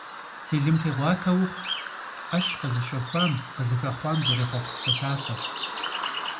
Былымтегъуатэ ухъу - Ӏэщ къэзыщэхуам, къызыхэхъуам зэрехъуэхъу псэлъафэщ.